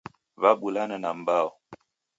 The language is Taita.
Wabulana na m'mbao.